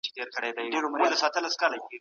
حضرت سعدي له کتابونو، د مثنوي معنوي له